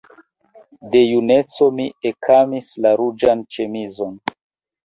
De juneco mi ekamis la ruĝan ĉemizon.